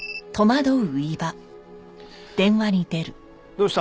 どうした？